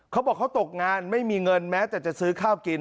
เขาบอกเขาตกงานไม่มีเงินแม้แต่จะซื้อข้าวกิน